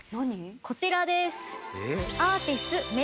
こちらです！